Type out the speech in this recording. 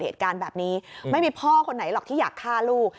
เหตุการณ์แบบนี้ไม่มีพ่อคนไหนหรอกที่อยากฆ่าลูก